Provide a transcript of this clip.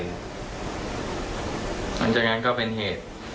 หลังจากนั้นก็เป็นเหตุ